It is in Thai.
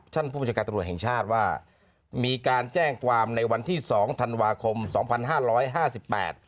ท่านผู้บัญชาการตำรวจแห่งชาติว่ามีการแจ้งความในวันที่สองธันวาคมสองพันห้าร้อยห้าสิบแปด